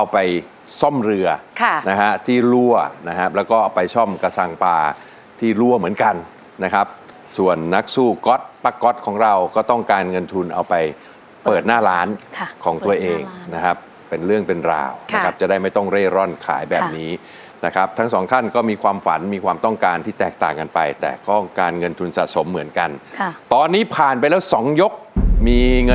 ไปซ่อมเรือค่ะนะฮะที่รั่วนะครับแล้วก็เอาไปซ่อมกระสังปลาที่รั่วเหมือนกันนะครับส่วนนักสู้ก๊อตป้าก๊อตของเราก็ต้องการเงินทุนเอาไปเปิดหน้าร้านค่ะของตัวเองนะครับเป็นเรื่องเป็นราวนะครับจะได้ไม่ต้องเร่ร่อนขายแบบนี้นะครับทั้งสองท่านก็มีความฝันมีความต้องการที่แตกต่างกันไปแต่ก็การเงินทุนสะสมเหมือนกันค่ะตอนนี้ผ่านไปแล้วสองยกมีเงิน